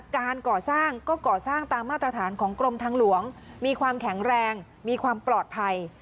การก่อสร้างก็ก่อสร้างตามมาตรฐานของกรมทางหลวงมีความแข็งแรงมีความปลอดภัย